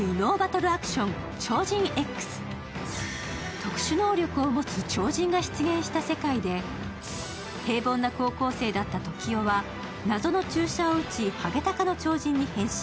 特殊能力を持つ超人が出現した世界で平凡な高校生だったトキオは謎の注射を打ち、ハゲタカの超人に変身。